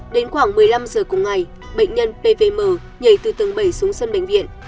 đến khoảng một mươi năm h của ngày bệnh nhân pvm nhảy từ tầng bảy xuống sân bệnh viện